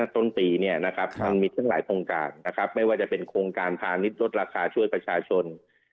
ต้นปีมันมีทั้งหลายโครงการนะครับไม่ว่าจะเป็นโครงการพาณิชย์ลดราคาช่วยประชาชน